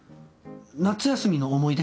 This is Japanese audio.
『夏休みの思い出』。